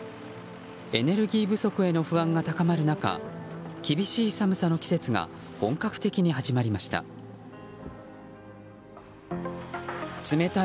エネルギー不足への不安が高まる中厳しい寒さの季節が本格的に始まりました。